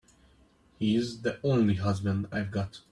He's the only husband I've got.